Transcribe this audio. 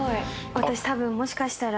私たぶんもしかしたら。